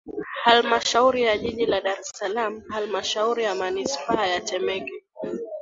Halmashauri ya Jiji la Dar es Salaam Halmashauri ya Manispaa ya Temeke